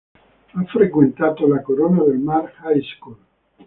Ha frequentato la Corona del Mar High School.